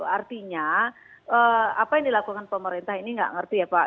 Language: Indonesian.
artinya apa yang dilakukan pemerintah ini nggak ngerti ya pak